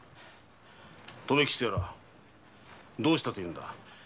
留吉とやらどうしたというんだ？